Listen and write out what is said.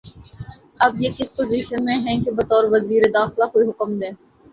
اب یہ کس پوزیشن میں ہیں کہ بطور وزیر داخلہ کوئی حکم دیں